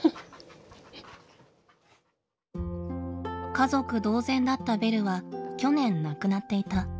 家族同然だったベルは去年亡くなっていた。